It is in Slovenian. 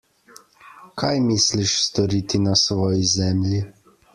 Kaj misliš storiti na svoji zemlji?